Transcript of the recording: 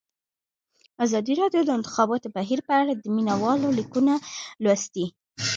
ازادي راډیو د د انتخاباتو بهیر په اړه د مینه والو لیکونه لوستي.